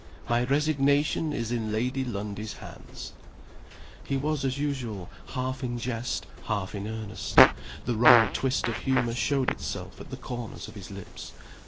My resignation is in Lady Lundie's hands." He was, as usual, half in jest, half in earnest. The wry twist of humor showed itself at the corners of his lips.